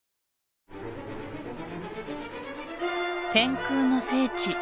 天空の聖地